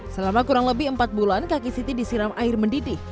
selama kurang lebih empat bulan kaki siti disiram air mendidih